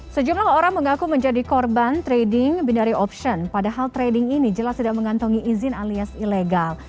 sejumlah orang mengaku menjadi korban trading binary option padahal trading ini jelas tidak mengantongi izin alias ilegal